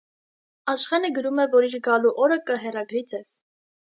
Աշխենը գրում է, որ իր գալու օրը կհեռագրի ձեզ.